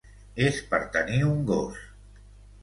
És per tenir un gos.